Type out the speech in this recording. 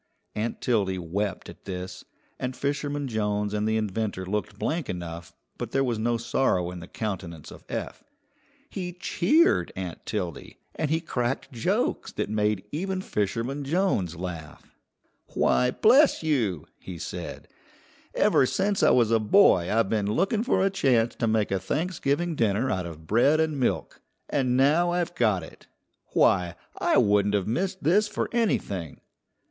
Aunt Tildy wept at this, and Fisherman Jones and the inventor looked blank enough, but there was no sorrow in the countenance of Eph. He cheered Aunt Tildy, and he cracked jokes that made even Fisherman Jones laugh. "Why, bless you!" he said, "ever since I was a boy I've been looking for a chance to make a Thanksgiving dinner out of bread and milk. And now I've got it. Why, I wouldn't have missed this for anything!"